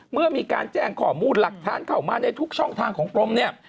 เมื่อมีการแจ้งข้อมูลหลักฐานเข้ามาในทุกช่องทางของกรมเนี่ย